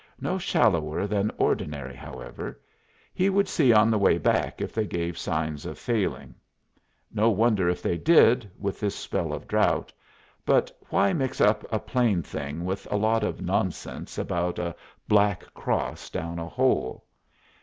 No shallower than ordinary, however; he would see on the way back if they gave signs of failing. No wonder if they did, with this spell of drought but why mix up a plain thing with a lot of nonsense about a black cross down a hole?